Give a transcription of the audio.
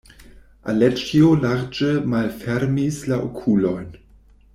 Aleĉjo larĝe malfermis la okulojn.